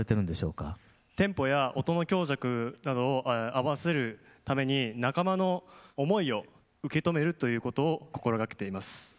テンポや音の強弱などを合わせるために仲間の思いを受け止めるということを心掛けています。